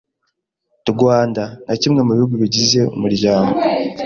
Rwanda nka kimwe mu bihugu bigize Umuryango